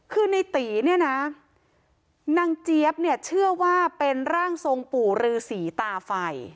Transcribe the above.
คือในตีเนี่ยนะนางเจี๊ยบเนี่ยเชื่อว่าเป็นร่างทรงปู่ฤษีตาไฟ